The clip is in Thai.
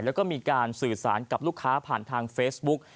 แล้วก็มีการสื่อสารกับลูกค้าผ่านทางเฟซบุ๊ก